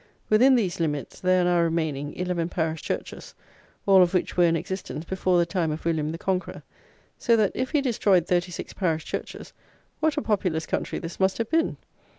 Within these limits there are now remaining eleven parish churches, all of which were in existence before the time of William the Conqueror; so that, if he destroyed thirty six parish churches, what a populous country this must have been!